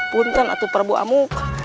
bukan atuh prabu amuk